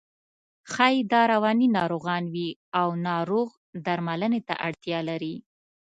ښایي دا رواني ناروغان وي او ناروغ درملنې ته اړتیا لري.